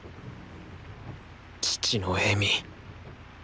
父の笑み。